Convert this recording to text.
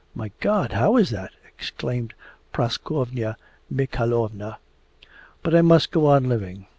'My God! How is that?' exclaimed Praskovya Mikhaylovna. 'But I must go on living.